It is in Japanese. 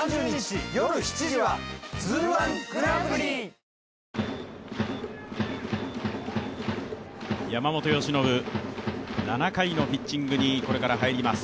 新発売山本由伸、７回のピッチングにこれから入ります。